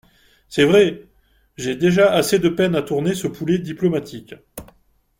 C’est vrai !… j’ai déjà assez de peine à tourner ce poulet diplomatique…